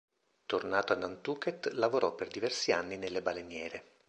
Tornato a Nantucket, lavorò per diversi anni nelle baleniere.